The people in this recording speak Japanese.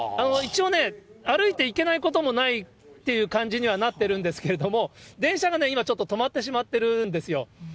一応ね、歩いて行けないこともないっていう感じにはなってるんですけれども、電車がね、今、ちょっと止まってしまっているんですよ。